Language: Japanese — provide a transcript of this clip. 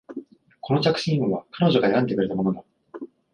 この着信音は彼女が選んでくれたものだ